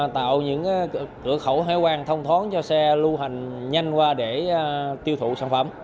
tạo những cửa khẩu hải quan thông thoáng cho xe lưu hành nhanh qua để tiêu thụ sản phẩm